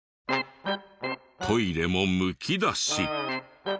トイレもむき出し。